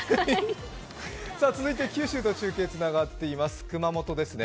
続いて九州と中継つながっています、熊本ですね